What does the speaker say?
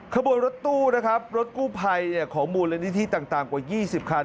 ขบวนรถตู้รถกู้ภัยของบูรณิธิต่างกว่า๒๐คัน